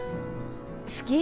好き？